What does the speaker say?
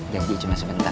janji cuma sebentar